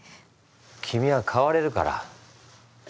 君は変われるから。